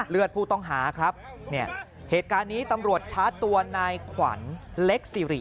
เลือดผู้ต้องหาครับเนี่ยเหตุการณ์นี้ตำรวจชาร์จตัวนายขวัญเล็กสิริ